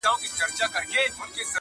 چي وجود را سره زما او وزر ستا وي,